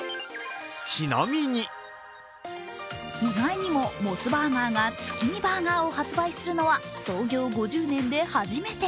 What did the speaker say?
意外にもモスバーガーが月見バーガーを発売するのは創業５０年で初めて。